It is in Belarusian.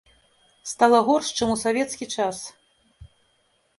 Стала горш, чым у савецкі час.